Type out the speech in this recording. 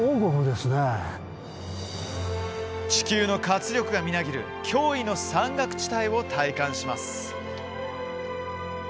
地球の活力がみなぎる驚異の山岳地帯を体感します。